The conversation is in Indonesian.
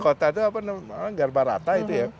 kota itu garba rata